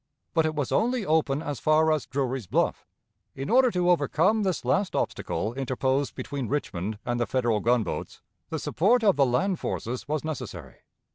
But it was only open as far as Drury's Bluff; in order to overcome this last obstacle interposed between Richmond and the Federal gunboats, the support of the land forces was necessary.